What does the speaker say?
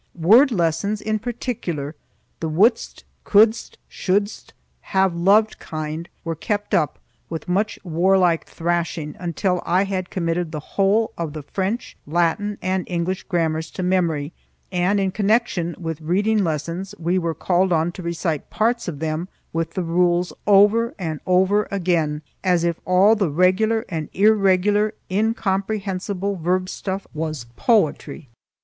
Word lessons in particular, the wouldst couldst shouldst have loved kind, were kept up, with much warlike thrashing, until I had committed the whole of the French, Latin, and English grammars to memory, and in connection with reading lessons we were called on to recite parts of them with the rules over and over again, as if all the regular and irregular incomprehensible verb stuff was poetry.